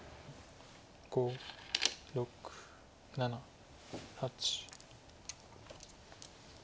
５６７８。